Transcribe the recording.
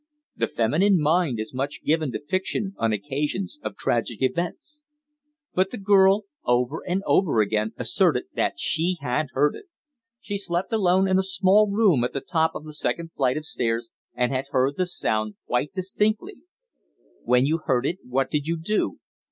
The feminine mind is much given to fiction on occasions of tragic events. But the girl over and over again asserted that she had heard it. She slept alone in a small room at the top of the second flight of stairs and had heard the sound quite distinctly. "When you heard it what did you do?"